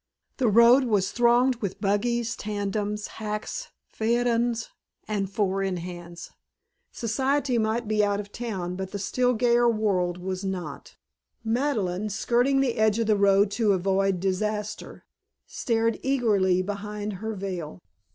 The road was thronged with buggies, tandems, hacks, phaetons, and four in hands. Society might be out of town but the still gayer world was not. Madeleine, skirting the edge of the road to avoid disaster stared eagerly behind her veil.